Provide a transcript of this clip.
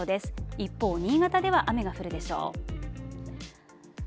一方、新潟では雨が降るでしょう。